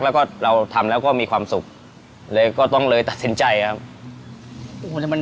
แล้วก็เราทำแล้วก็มีความสุขเลยก็ต้องเลยตัดสินใจครับ